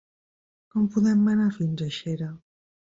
Com podem anar fins a Xera?